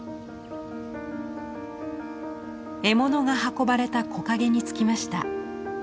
獲物が運ばれた木陰に着きました。